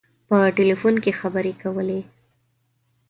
په ټلفون کې خبري کولې.